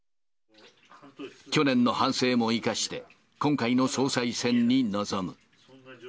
去年の反省も生かして、今回の総裁選に臨む。